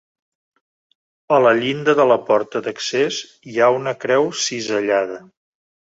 A la llinda de la porta d'accés hi ha una creu cisellada.